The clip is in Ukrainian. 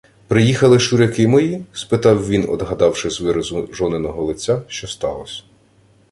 — Приїхали шуряки мої? — спитав він, одгадавши з виразу жониного лиця, що сталось.